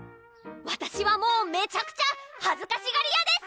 わたしはもうめちゃくちゃはずかしがり屋です